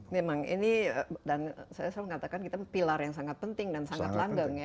memang ini dan saya selalu mengatakan kita pilar yang sangat penting dan sangat langgang ya